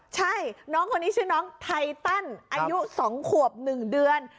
ใช่น้องคนนี้ชื่อน้องไทตันอายุ๒ขวบ๑เดือน